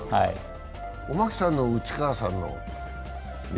おマキさんの内川さんの。